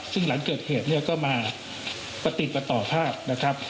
ซึ่งหลังเกิดเหตุเนี่ยก็มาประติดประต่อภาพนะครับ